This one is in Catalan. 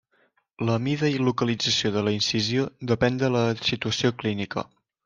La mida i localització de la incisió depèn de la situació clínica.